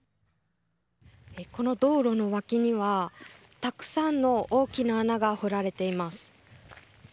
この道路の脇にはたくさんの大きな穴が掘られています。